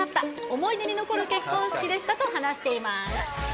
思い出に残る結婚式でしたと話しています。